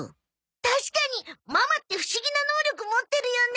確かにママって不思議な能力持ってるよね。